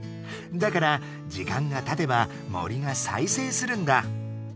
だから時間がたてば森が再生するんだ。